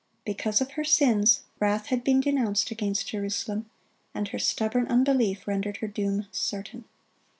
(33) Because of her sins, wrath had been denounced against Jerusalem, and her stubborn unbelief rendered her doom certain.